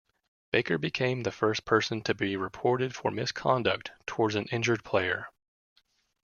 Baker became the first person to be reported for misconduct towards an injured player.